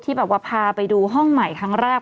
แบบว่าพาไปดูห้องใหม่ครั้งแรก